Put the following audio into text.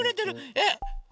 えっ。